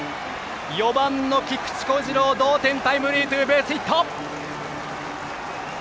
４番の菊池虎志朗同点タイムリーツーベースヒット。